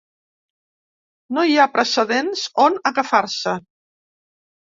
No hi ha precedents on agafar-se.